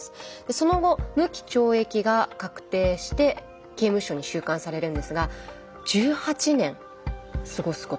その後無期懲役が確定して刑務所に収監されるんですが１８年過ごすことになります。